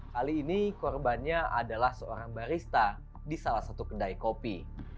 kali ini korbannya adalah seorang barista di salah satu kedai kopi